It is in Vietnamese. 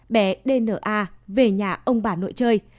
bé dna về nhà ông bà nội chơi